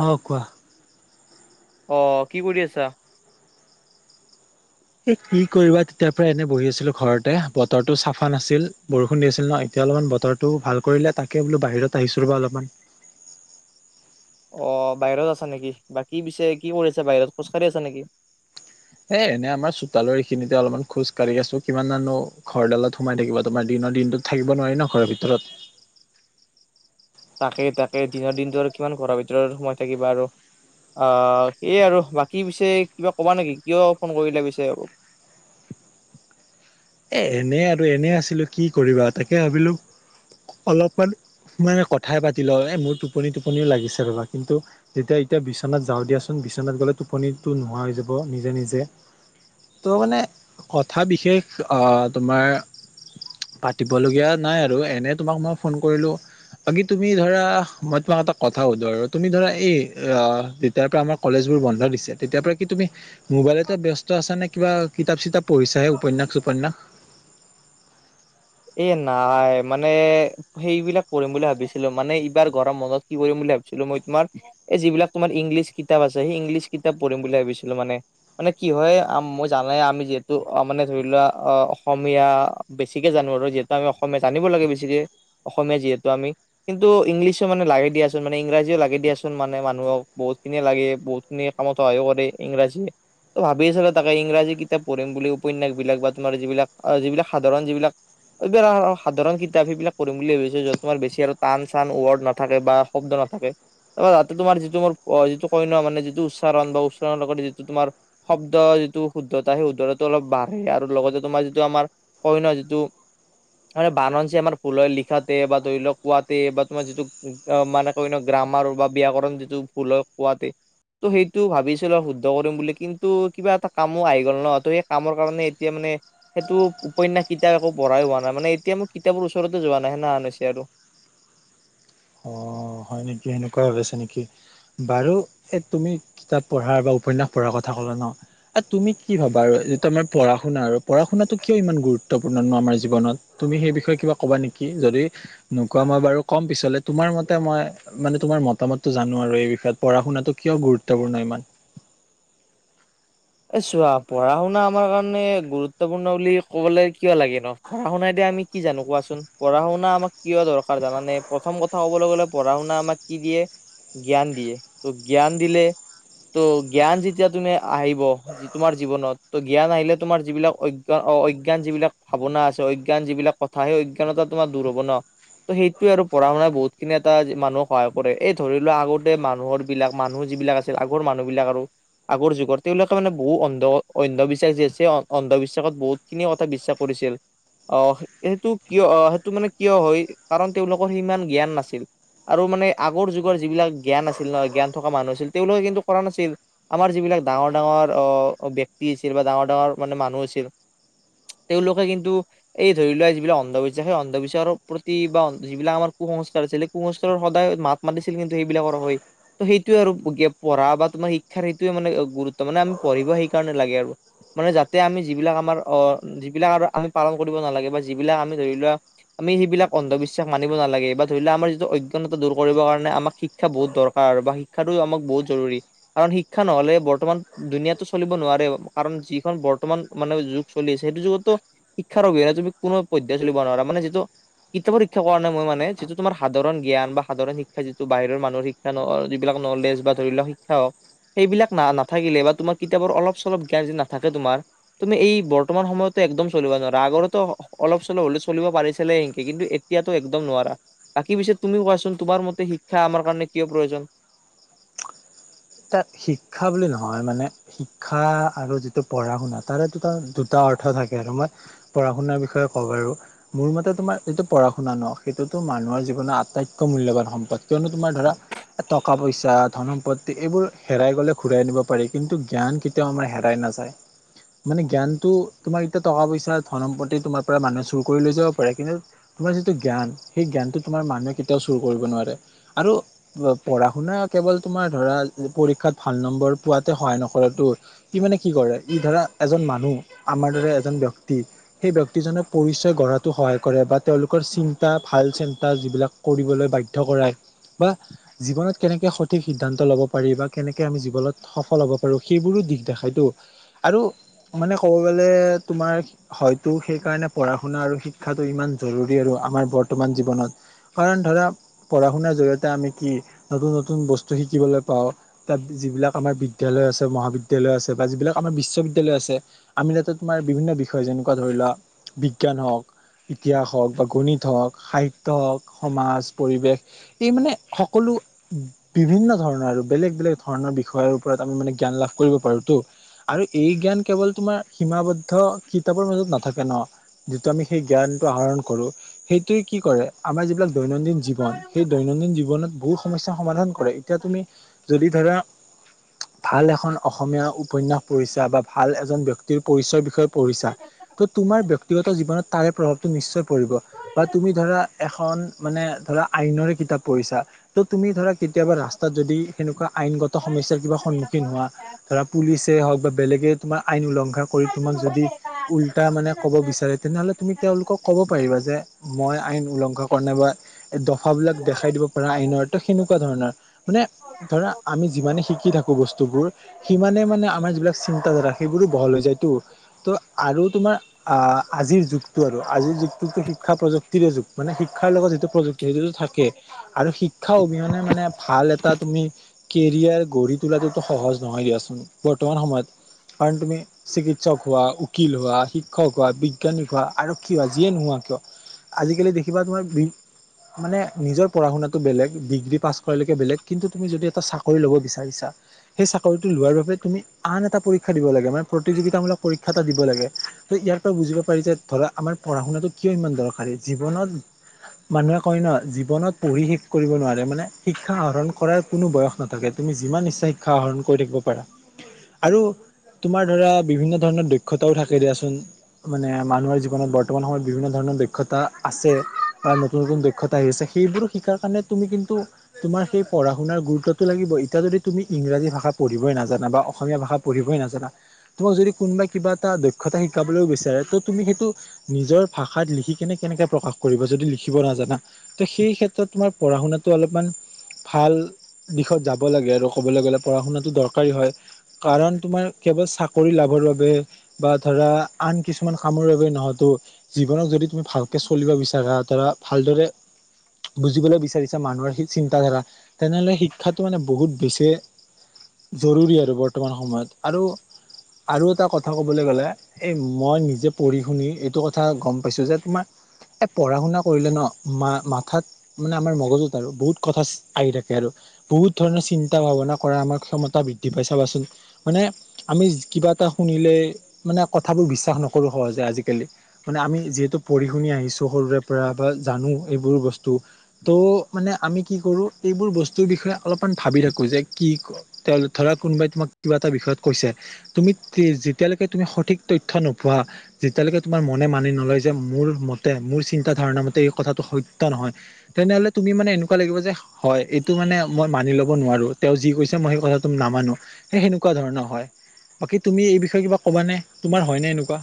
অঁ কোৱা। অ কি কৰি আছা? এ কি কৰিবা তেতিয়া পৰা এনে বহি আছিলোঁ ঘৰতে বতৰটো চাফা নাছিল? বৰষুণ দি আছিল ন এতিয়া অলপমান বতৰটো ভাল কৰিলে তাকে বোলো বাহিৰত আহিছোঁ ৰ'বা অলপমান। অ বাহিৰত আছা নেকি? বাকি পিছে কি কৰি আছা বাহিৰত, খোজ কাঢ়ি আছা নেকি? এ এনে আমাৰ চোতালৰ এই খিনিতে অলপমান খোজকাঢ়ি আছো কিমান নানো। ঘৰডালত সোমাই থাকিব তোমাৰ দিনৰ দিনটোত থাকিব নোৱাৰি ন ঘৰৰ ভিতৰত। তাকেই তাকেই দিনৰ দিনটো আৰু কিমান ঘৰৰ ভিতৰৰ সোমাই থাকিবা আৰু। অ সেয়ে আৰু বাকী পিছে কিবা ক'বা নেকি কিয় ফোন কৰিলে পিছে? এ এনে আৰু এনে আছিলো কি কৰিবা তাকে ভাবিলো অলপমান। মানে কথাই পাতি ল এ মোৰ টোপনি টোপনিও লাগিছে ৰবা কিন্তু। তেতিয়া এতিয়া বিছনাত যাওঁ দিয়াচোন বিছনাত গ'লে টোপনিটো নোহোৱা হৈ যাব নিজে নিজে। ত' মানে কথা বিশেষ অ তোমাৰ। পাতিব লগীয়া নাই আৰু এনে তোমাক মই ফোন কৰিলো। বাকি তুমি ধৰা মই তোমাক এটা কথা সুধো আৰু তুমি ধৰা এই অ। তাৰ পৰা আমাৰ কলেজবোৰ বন্ধ দিছে তেতিয়াৰ পৰা কি তুমি। মোবাইলতে ব্যস্ত আছা নে কিবা কিতাপ চিতাপ পঢ়িছাহে উপন্যাস ছুপন্যাস। এই নাই মানে। সেইবিলাক কৰিম বুলি ভাবিছিলোঁ মানে এইবাৰ ঘৰম মনত কি কৰিম বুলি ভাবিছিলোঁ মই তোমাৰ। এই যিবিলাক তোমাৰ ইংলিছ কিতাপ আছে সেই ইংলিছ কিতাপ পঢ়িম বুলি ভাবিছিলোঁ মানে। মানে কি হয় মই জানাই আমি যিহেতু অ মানে ধৰি লোৱা অ অসমীয়া বেছিক। জানো আৰু যিহেতু আমি অসমীয়া জানিব লাগে বেছিকে অসমীয়া যিহেতু আমি। কিন্তু ইংলিছো মানে লাগে দিয়াচোন ইংৰাজীও লাগে দিয়াচোন মানে মানুহক বহুত খিনি লাগে। নে কামত আহিব দেই ইংৰাজীয়ে। ত ভাবি আছিলোঁ তাকে ইংৰাজী কিতাপ পঢ়িম বুলি উপন্যাস বিলাক বা তোমাৰ যিবিলাক যিবিলাক সাধাৰণ যিবিলাক। এইবাৰ সাধাৰণ কিতাপ সেইবিলাক পৰিম বুলি ভাবিছোঁ য'ত তোমাৰ বেছি আৰু টান চান ৱৰ্ড নাথাকে বা শব্দ নাথাকে। অহ তাতে তোমাৰ যিটো মোৰ যিটো কয় ন মানে যিটো উচ্চাৰণ বা উচ্চাৰণৰ লগতে যিটো তোমাৰ। শব্দ যিটো শুদ্ধতা সেই শুদ্ধতাটো অলপ বাঢ়ে আৰু লগতে তোমাৰ যিটো আমাৰ কয় ন যিটো। মানে বানন যি আমাৰ ভুল হয় লিখাতে বা ধৰি লওক কোৱাতে বা তোমাৰ যিটো মানে। হয় নে গ্ৰামাৰ বা ব্যাকৰণ যিটো ভুল হয় কোৱাতে। ত' সেইটো ভাবিছিলোঁ আৰু শুদ্ধ কৰিম বুলি কিন্তু কিবা এটা কামো আহি গ'ল ন ত সেই কামৰ কাৰণে এতিয়া মানে। সেইটো উপন্যাস কিতাপ একো পঢ়াই হোৱা নাই মানে এতিয়া মই কিতাপৰ ওচৰতে যোৱা নাই সেনেহান হৈছে আৰু। অহ হয়। হয় নেকি সেনেকুৱা হৈ আছে নেকি? বাৰু এই তুমি কিতাপ পঢ়াৰ বা উপন্যাস পঢ়াৰ কথা ক'লা ন। তুমি কি ভাবা আৰু যিটো আমাৰ পঢ়া শুনা আৰু পঢ়া শুনাটো কিয় ইমান গুৰুত্বপূৰ্ণ ন আমাৰ জীৱনত। তুমি সেই বিষয়ে কিবা কবা নেকি যদি নোকোৱা মই বাৰু কম পিছলে তোমাৰ মতে মই। মানে তোমাৰ মতামতটো জানো আৰু এই বিষয়ত পঢ়া শুনাতো কিয় গুৰুত্বপূৰ্ণ ইমান। এই চোৱা পঢ়া শুনা আমাৰ কাৰণে গুৰুত্বপূৰ্ণ বুলি কবলৈ কিয় লাগে নো। পঢ়া শুনাই দি আমি কি জানো কোৱাচোন পঢ়া শুনা আমাক কিয় দৰকাৰ জানেনে প্ৰথম কথা ক'বলৈ গ'লে পঢ়া শুনা আমাক। কি দিয়ে জ্ঞান দিয়ে ত' জ্ঞান দিলে। ত' জ্ঞান যেতিয়া তুমি আহিব। তোমাৰ জীৱনত ত জ্ঞান আহিলে তোমাৰ যিবিলাক অজ্ঞান অ অজ্ঞান যিবিলাক ভাৱনা আছে অজ্ঞান যিবিলাক। কথা সেই অজ্ঞানত তোমাৰ দূৰ হ'ব ন। ত'সেইটোৱে আৰু পঢ়া শুনা বহুত খিনি এটা মানুহক সহায় কৰে এই ধৰি লোৱা আগতে মানুহৰ বিলাক মানুহ যিবিলাক আছে। আগৰ মানুহ বিলাক আৰু আগৰ যুগৰ তেওঁলোক। মানে বহুত অন্ধ অন্ধবিশ্বাসী আছে অন্ধবিশ্বাসত বহুতখিনি কথা বিশ্বাস কৰিছিল অহ সেইটো কিয় অহ সেইটো মানে কিয় হয় কাৰণ তেওঁলোকৰ সিমান জ্ঞান নাছিল আৰু মানে আগৰ যুগৰ যিবিলাক জ্ঞান আছিল ন জ্ঞান থকা মানুহ আছিল তেওঁলোকে কিন্তু কৰা নাছিল আমাৰ যিবিলাক ডাঙৰ ডাঙৰ অহ ব্যক্তি আছিল বা ডাঙৰ ডাঙৰ মানে মানুহ আছিল তেওঁলোকে কিন্তু এই ধৰি লোৱা যিবিলাক অন্ধবিশ্বাস সেই অন্ধবিশ্বাসৰ প্ৰতি বা যিবিলাক আমাৰ কু সংস্কাৰ আছিল সেই কু সংস্কাৰৰ সদায় মাত মাতিছিল কিন্তু সেইবিলাকৰ হৈ সেইটোয়ে আৰু পঢ়া বা তোমাৰ শিক্ষাৰ সেইটোয়ে মানে গুৰু ত্ব মানে আমি পঢ়িব সেইকাৰণে লাগে আৰু মানে যাতে আমি যিবিলাক আমাৰ অ যিবিলাক আৰু আমি পালন কৰিব নালাগে বা যিবিলাক আমি ধৰি লোৱা আমি সেইবিলাক অন্ধবিশ্বাস মানিব নালাগে বা ধৰি লও আমাৰ যিটো অগ্যনত দূৰ কৰিব কাৰণে আমাক শিক্ষ ক্ষা বহুত দৰকাৰ বা শিক্ষাটো আমাক বহুত জৰুৰী। কাৰণ শিক্ষা নহলে বৰ্তমান দুনীয়াটো চলিব নোৱাৰে কাৰণ যিখন বৰ্তমান মানে যুগ চলি আছে সেইটো যুগতটো শিক্ষাৰ অবিহনে তুমি কোনো পধ্যায় চলিব নোৱাৰা মান যিটো কিতাপৰ শিক্ষা কোৱা নাই মই মানে যিটো তোমাৰ সাধাৰণ জ্ঞান বা সাধাৰণ শিক্ষা যিটো বাহিৰ মানসিক শিক্ষা যিবিলাক নলেজ বা ধৰি ল' শিক্ষা'অ সেইবিলাক না না নাথাকিলে বা তোমাৰ কিতাপৰ অলপ চলপ জ্ঞান যদি নাথাকে তোমাৰ তুমি এই বৰ্তমান সময়তো একদম চলিব নোৱাৰা, আগৰতো অলপ চলপ হলে চলিব পাৰিছিলে সেনকে কিন্তু এ তিয়াটো একদম নোৱাৰা। বাকী পিছে তুমিও কোৱাচোন তোমাৰ মতে শিক্ষা আমাৰ কাৰণে কিয় প্ৰয়োজন তাত শিক্ষা বুলি নহয় মানে শিক্ষা আৰু যিটো পঢ়া শুনা তাৰে দুটা, দুটা অৰ্থ থাকে আৰু মই পঢ়া শুনাৰ বিষয়ে কওঁ বাৰু মোৰ মতে তোমাৰ যিটো পঢ়া শুনা ন সেইটোতো মানুহৰ জীৱনৰ আটাইতকৈ মূল্যবান সম্পদ কিয়নো তোমাৰ ধৰা টকা পইচা, ধন সম্প ত্তি এইবোৰ হেৰাই গ'লে ঘূৰাই আনিব পাৰি কিন্তু জ্ঞান কেতিয়াও আমাৰ হেৰাই নাযায় মানে জ্ঞানটো তোমাৰ এতিয়া টকা পইচা, ধন সম্পত্তি তোমাৰ পৰা মানুহে চুৰ কৰি লৈ যাব পাৰে কিন্তু তোমাৰ যিটো জ্ঞান সেই জ্ঞানটো তোমাৰ মানুহে কেতিয়াও চুৰ কৰিব নোৱাৰে। আৰু পঢ়া শুনা কেৱল তোমাৰ ধৰা পৰীক্ষাত ভাল নম্বৰ পোৱাতে সহায় নকৰেটো ই মানে কি কৰে ই ধৰা এজন মানুহ আমাৰ দৰে এজন ব্যক্তি সেই ব্যক্তিজক পৰিচয় গঢ়াটো সহায় কৰে বা তেওঁলোকৰ চিন্তা ভাল চিন্তা যিবিলাক কৰিবলৈ বাধ্য কৰাই বা জীৱনত কেনেকে সঠিক সি দ্ধান্ত ল'ব পাৰি বা কেনেকৈ আমি জীৱনত সফল হ'ব পাৰোঁ সেইবোৰো দিশ দেখাইতো আৰু মানে ক'ব গলে তোমাৰ হয়তো সেইকাৰণে পঢ়া শুনা আৰু শিক্ষাটো ইমান জৰুৰী আৰু আমাৰ বৰ্তমান জীৱনত কাৰণ ধৰা পঢ়া শুনাৰ জৰিয়তে আমি কি নতুন নতুন বস্তু শিকিবলৈ পাওঁ তাত যিবিলাক আমাৰ বিদ্যালয় আছে, মহাবিদ্যালয় আছে বা যিবিলাক আমাৰ বিশ্ববিদ্যালয় আছে আমি তাতে তোমাৰ বিভিন্ন বিষয় যেনেকুৱা ধৰি লোৱা বিজ্ঞান হওক ইতিহাস হওক বা গণিত হওক, সাহিত্য হওক, সমাজ পৰিৱেশ এইমানে সকলো বিভিন্ন ধৰণৰ আৰু বেলেগ বেলেগ ধৰণৰ বিষয়ৰ ওপৰত আমি মানে জ্ঞান লাভ কৰিব পাৰো তো আৰু এই জ্ঞান কেৱল তোমাৰ সীমাবদ্ধ কিতাপৰ মাজত নাথাকে ন যিটো আমি সেই জ্ঞানটো আহৰণ কৰো সেইটোৱে কি কৰে আমাৰ যিবিলাক দৈনন্দিন জীৱন সেই দৈনন্দিন জীৱনত বহুত সমস্যা সমাধান কৰে এতিয়া তুমি যদি ধৰা ভাল এখন অসমীয়া উপন্যাস পঢ়িচা বা ভাল এজন ব্যক্তিৰ পৰিচয়ৰ বিষয়ে পঢ়িছা ত' তোমাৰ ব্যক্তিগত জীৱনত তাৰে প্ৰাউতটো নিশ্চয় পৰিব। বা তুমি ধৰা এখন মানে ধৰা আইনৰে কিতাপ পঢ়িছা ত' তুমি ধৰা কেতিয়াবা ৰাস্তাত যদি সেনেকুৱা আইনগত সমস্যাৰ কিবা সন্মুখীন হোৱা ধৰা পুলিচে হওঁক বা বেলেগে তোমাৰ আইন উলংঘা কৰি তোমাক যদি উল্টা মানে ক'ব বিচাৰে তেনেহ'লে তুমি তেওঁলোকক ক'ব পাৰিবা যে মই আইন উলংঘা কৰা নাই বা দফাবিলাক দেখাই দিব পাৰা আইনৰ ত' সেনেক কুৱা ধৰণৰ মানে ধৰা আমি যিমানে শিকি থাকো বস্তুবোৰ সিমানে মানে আমাৰ যিবিলাক চিন্তাাধাৰা সেইবোৰো বহল হৈ যায় তো ত' আৰু তোমাৰ আ আজিৰ যুগটো আৰু আজিৰ যুগটো শিক্ষা প্ৰযুক্তিৰে যুগ মানে শিক্ষাৰ লগত যিটো প্ৰযুক্ সেইটোতো থাকে আৰু শিক্ষা অবিহনে মানে ভাল এটা তুমি কেৰিয়াৰ গঢ়ি তোলাটোতো সহজ নহয় দিয়াচোন বৰ্তমান সময়ত কাৰণ তুমি চিকিৎসক হোৱা উকিল হোৱা, শিক্ষক হোৱা, বিজ্ঞানিক হোৱা, আৰক্ষী হোৱা, যিয়ে নোহোৱা কিয়। আজিকালি দেখিবা তোমাৰ মানে বি নিজৰ পঢ়া শুনাটো বেলেগ ডিগ্ৰী পাছ কৰালেকে বেলেগ কিন্তু তুমি যদি এটা চাকৰি ল'ব বিচাৰিছা। সেই চাকৰিটো লোৱাৰ বাবে তুমি আন এটা পৰীক খা দিব লাগে মানে প্ৰতিযোগিতামূলক পৰীক্ষা এটা দিব লাগে ত' ইয়াৰ পৰা বুজিব পাৰি যে ধৰা আমাৰ পঢ়া শুনাটো কিয় ইমান দৰকাৰী জীৱনত মানুহে কয় ন' জীৱনত পঢ়ি শেষ কৰিব নোৱাৰে মানে শিক্ষা আহৰণ কৰাৰ কোনো বয়স নাথাকে তুমি যিমান ইচ্ছা শিক্ষা আহৰণ কৰি থাকিব পাৰা। আৰু তোমাৰ ধৰা বিভিন্ন ধৰণৰ দক্ষতাও থাকে দিয়াচোন। মানে মানুহৰ জীৱনত বৰ্তমান সময়ত বিভিন্ন ধৰণৰ দক্ষতা আছে। বা নতুন নতুন দক্ষতা আহি আছে সেইবোৰো শিকাৰ কাৰণে তুমি কিন্তু তোমাৰ সেই পঢ়া শুনাৰ গুৰুত্বটো লাগিবই এতি যদি তুমি ইংৰাজী ভাষা পঢ়িবই নাজানা বা অসমীয়া ভাষা পঢ়িবই নাজানা, তোমাক যদি কোনোবাই কিবা এটা দক্ষতা শিকাবলৈও বিচাৰে ত' তুমি সেইটো নিজৰ ভাষাত লিখি কেনে কেনেকে প্ৰকাশ কৰিব যদি লিখিব নাজানা। তে সেই ক্ষেত্ৰত তোমাৰ পঢ়া শুনাটো অলপমান ভাল দিশত যাব লাগে আৰু ক'বলৈ গ'লে পঢ়া শুনাটো দৰকাৰী হয়। কাৰণ তোমাৰ কেৱল চাকৰি লাভৰ বাবে বা ধৰা আন কিছুমান কামৰ বাবে নহয়তো। জীৱনক যদি তুমি ভালকে চলিব বিচাৰা ধৰা ভালদৰে বুজিবলৈ বিচাৰিছে মানুহৰ সেই চিন্তাধাৰা তেনেহ'লে শিক্ষাটো মানে বহুত বেছিয়ে জৰুৰী আৰু বৰ্তমান সময়ত আৰু আৰু এটা কথা ক'বলৈ গ'লে এই মই নিজে পঢ়ি শুনি এইটো কথা গম পাইছোঁ যে তোমাৰ এই পঢ়া-শুনা কৰিলে ন মা মাথাত মানে আমাৰ মগজুত আৰু বহুত কথা আহি থাকে আৰু বহুত ধৰণৰ চিন্তা ভাৱনা কৰা আমাৰ ক্ষমতা বৃদ্ধি পাইছে চাবাচোন। মানে আমি কিবা এটা শুনিলে মানে কথাবোৰ বিশ্বাস নকৰোঁ সহজে আজিকালি। মানে আমি যিহেতু পঢ়ি শুনি আহিছো সৰুৰে পৰা বা জানো এইবোৰ বস্ তু ত' মানে আমি কি কৰোঁ এইবোৰ বস্তুৰ বিষয়ে অলপমান ভাবি থাকোঁ যে কি তেওঁ ধৰা কোনোবাই তোমাক কিবা এটা বিষয়ত কৈছে। তুমি তে যেতিয়ালৈকে তুমি সঠিক তথ্য নোপোৱা। যেতিয়ালৈকে তোমাৰ মনে মানি নলয় যে মোৰ মতে মোৰ চিন্তাধাৰণা মতে এই কথাটো সত্য নহয়। তেনেহ'লে তুমি মানে এনেক কুৱা লাগিব যে হয় এইটো মানে মই মানি ল'ব নোৱাৰোঁ তেওঁ যি কৈছে মই সেই কথাটো নামানো। সেই সেনেকুৱা ধৰণৰ হয় বাকী তুমি এই বিষয়ে কিবা ক'বা নে তোমাৰ হয় নে এনেকুৱা?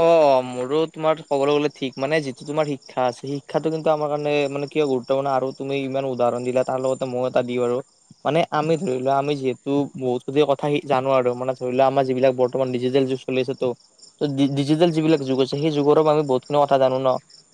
অ', মোৰো তোমাৰ ক'বলৈ গ'লে ঠিক মানে যিটো তোমাৰ শিক্ষা আছে শিক্ষাটো কিন্তু আমাৰ কাৰণে মানে কিয় গুৰুত [unintelligible] আৰু তুমি ইমান উদাহৰণ দিলা তাৰ লগতে ময়ো এটা দিওঁ আৰু। মানে আমি ধৰি লোৱা আমি যিহেতু বহুতখিনি কথা জানো আৰু। মানে ধৰি লোৱা আমাৰ যিবিলাক বৰ্তমান ডিজিটেল যু শুনিছোঁ টো। ত' ডি ডিজিটেল যিবিলাক যুগ আছে। সেই যুগৰ আমি বহুতখিনি কথা জানো ন।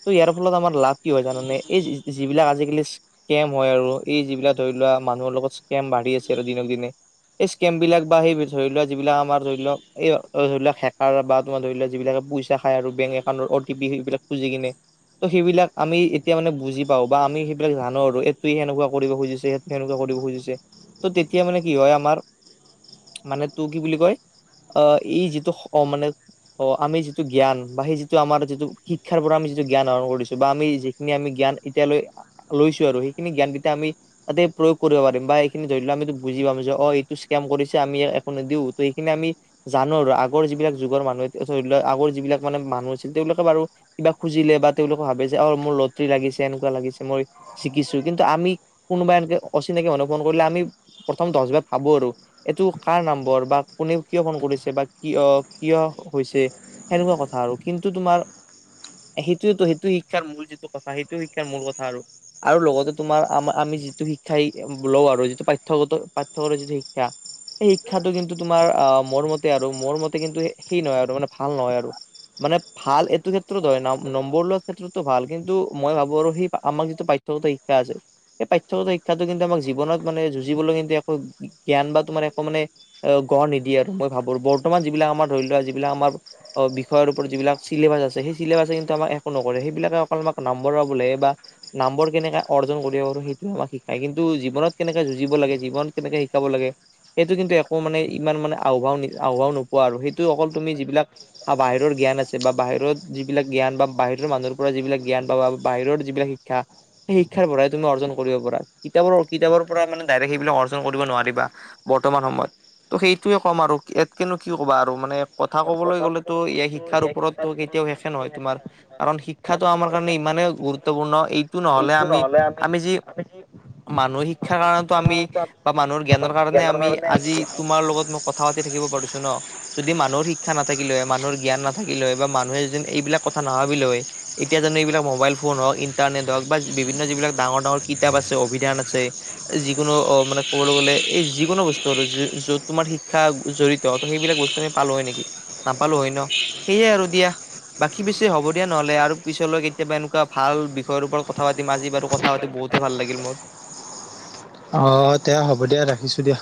ত' ইয়াৰ ফলত আমাৰ লাভ কি হয় জানানে? এই যিবিলাক আজিকালি কেম হয় আৰু এই যিবিলাক ধৰি লোৱা মানুহৰ লগত স্কেম বাঢ়ি আছে আৰু দিনক দিনে। এ স্কেম বিলাক বা সেই ধৰি লোৱা যিবিলাক আমাৰ ধৰি লওক এই ধৰি লওক হেকাৰ বা তোমাৰ ধৰিলোৱা যিবিলাকে পইচা খায় আৰু বেংক একাউণ্টৰ অ'টি পি সেইবিলাক খুজি কিনে। ত' সেইবিলাক আমি এতিয়া মানে বুজি পাওঁ বা আমি সেইবিলাক জানো আৰু এইটোৱে সেনেকুৱা কৰিব খুজিছে। সেনেকুৱা কৰিব খুজিছে। ত' তেতিয়া মানে কি হয় আমাৰ মানে তো কি বুলি কয়? অ এই যিটো অ মানে অ। আমি যিটো জ্ঞান বা সেই যিটো আমাৰ যিটো শিক্ষাৰ পৰা আমি যিটো জ্ঞান আহৰণ কৰিছো বা আমি যি খিনি আমি জ্ঞান এতিয়ালৈ লৈছোঁ আৰু। সেইখিনি জ্ঞান গিতা আমি তাতে প্ৰয়োগ কৰিব পাৰিম বা এইখিনি ধৰি লোৱা আমি বুজি পাম যে অ, এইটো স্কেম কৰিছে আমি একো নিদিওঁ ত এইখিনি আমি জানো আৰু। আগৰ যিবিলাক যুগৰ মানুহে ধৰি লওক আগৰ যিবিলাক মানে মানুহ আছিল। তেওঁলোকে বাৰু কিবা খুজিলে বা তেওঁলোকে ভাবে যে অ, মোৰ লটৰী লাগিছে এনেকুৱা লাগিছে মই শিকিছোঁ কিন্তু আমি কোনোবা এনেকে অচিনাকি মানুহ ফোন কৰিলে আমি প্ৰথম দহবাৰ ভাবো আৰু। এইটো কাৰ নম্বৰ বা কোনে কিয় ফোন কৰিছে বা কিয় কিয় কৈছে? সেনেকুৱা কথা আৰু। কিন্তু তোমাৰ সেইটোৱেতো সেইটোৱে শিক্ষাৰ মূল যিটো কথা সেইটো শিক্ষাৰ মূল কথা আৰু। আৰু লগতে তোমাৰ আমাৰ আমি যিটো শিক্ষাই লওঁ আৰু যিটো পাঠ্যগত পাঠ্যগত যিটো শিক্ষা। এই শিক্ষাটো কিন্তু তোমাৰ আহ মোৰ মতে আৰু মোৰ মতে কিন্তু সেই নহয় আৰু, মানে ভাল নহয় আৰু। মানে। ভাল এইটো ক্ষেত্ৰত হয় ন। নম্বৰ লোৱাৰ ক্ষেত্ৰতো ভাল কিন্তু মই ভাবোঁ আৰু সেই আমাক যিটো পাঠ্যগত শিক্ষা আছে। এই পাঠ্যগত শিক্ষাটো কিন্তু আমাক জীৱনত মানে যুঁজিবলৈ কিন্তু একো জ্ঞান বা তোমাৰ একো মানে অহ, গঢ় নিদিয়ে আৰু মই ভাবোঁ। বৰ্তমান যিবিলাক আমাৰ ধৰি লোৱা যিবিলাক আমাৰ অ বিষয়ৰ ওপৰত যিবিলাক চিলেবাছ আছে সেই চিলেবাছ কিন্তু আমাক একো নকৰে। সেইবিলাকে অকল আমাক নম্বৰ পাবলে বা নাম্বৰ কেনেকা অৰ্জন কৰিব পাৰো। সেইটো আমাক শিকায়। কিন্তু জীৱনত কেনেকে যুঁজিব লাগে জীৱন কেনেকে শিকাব লাগে। সেইটো কিন্তু একো মানে ইমান মানে আও ভাও আও ভাও নোপোৱা আৰু। সেইটো অকল তুমি যিবিলাক বা বাহিৰৰ জ্ঞান আছে বা বাহিৰত যিবিলাক জ্ঞান বা বাহিৰৰ মানুহৰ পৰা যিবিলাক জ্ঞান পাবা। বাহিৰৰ যিবিলাক শিক্ষা। সেই শিক্ষাৰ পৰাই তুমি অৰ্জন কৰিব পৰা। কিতাপৰ কিতাপৰ পৰা মানে ডাইৰেক্ট সেইবিলাক অৰ্জন কৰিব নোৱাৰিবা বৰ্তমান সময়ত। ত' সেইটোয়ে ক'ম আৰু ইয়াতকেনো কি ক'বা আৰু মানে, কথা ক'বলৈ গ'লেতো এ শিক্ষাৰ ওপৰতো কেতিয়াও শেষে নহয় তোমাৰ কাৰণ শিক্ষাটো আমাৰ কাৰণে ইমানেই গুৰুত্বপূৰ্ণ। এইটো নহ'লে আমি আমি যি [unintelligible] মানুহৰ শিক্ষাৰ কাৰণেটো আমি বা মানুহৰ জ্ঞানৰ কাৰণে আমি আজি তোমাৰ লগত ম কথা পাতি থাকিব পাৰিছো ন'। যদি মানুহৰ শিক্ষা নাথাকিলে হয়, মানুহৰ জ্ঞান নাথাকিলে হয় বা মানুহে যজন এইবিলাক কথা নাভাবিলে হয়। এতিয়া জানো এইবিলাক মোবাইল ফোন হওক, ইণ্টাৰনেট হওক বা বিভিন্ন যিবিলাক ডাঙৰ ডাঙৰ কিতাপ আছে, অভিধান আছে। যিকোনো অ', মানে ক'বলৈ গ'লে, এই যিকোনো বস্তু আৰু য যত তোমাৰ শিক্ষা জড়িত। ত' সেইবিলাক বস তুমি পালো হয় নেকি? নাপালো হয় ন' সেইয়াই আৰু দিয়া। বাকী বেছি হ'ব দিয়া নহলে আৰু পিছলৈ কে কেতিয়াবা এনেকুৱা ভাল বিষয়ৰ ওপৰত কথা পাতিম। আজি বাৰু কথা পাতি বহুতে ভাল লাগিল মোৰ। অ', দে হ'ব দিয়া। ৰাখিছো দিয়া।